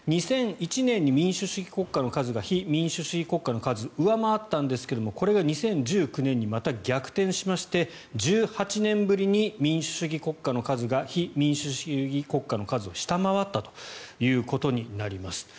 ２００１年に民主主義国家の数が非民主主義の数を上回ったんですがこれが２０１９年にまた逆転しまして１８年ぶりに民主主義国家の数が非民主主義国家の数を下回ったということになります。